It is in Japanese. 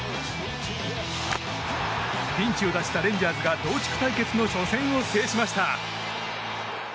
ピンチを脱したレンジャーズが同地区対決の初戦を制しました。